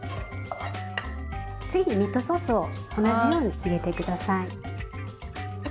次にミートソースを同じように入れて下さい。